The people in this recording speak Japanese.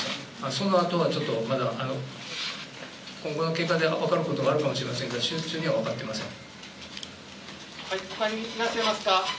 そのあとはまだ今後の経過で分かることもあるかもしれませんが手術中には分かっていません。